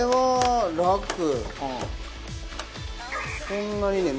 そんなにね